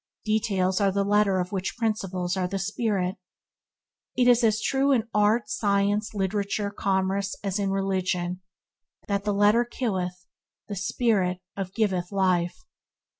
Details are the letter of which principles are the spirit. It is as true in art, science, literature, commerce, as in religion, that "the letter killeth, the spirit of giveth life."